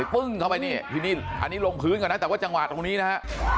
ปึ้งเข้าไปนี่ที่นี่อันนี้ลงพื้นก่อนนะแต่ว่าจังหวะตรงนี้นะฮะ